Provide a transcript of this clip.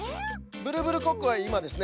ブルブルコックはいまですね